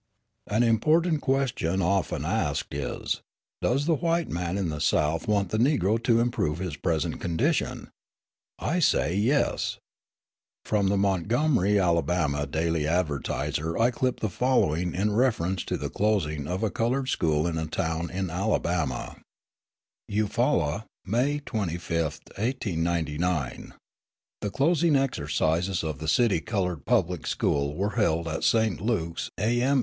An important question often asked is, Does the white man in the South want the Negro to improve his present condition? I say, "Yes." From the Montgomery (Alabama) Daily Advertiser I clip the following in reference to the closing of a coloured school in a town in Alabama: "EUFAULA, May 25, 1899. "The closing exercises of the city coloured public school were held at St. Luke's A. M.